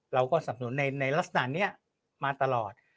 สับสนุนในลักษณะนี้มาตลอด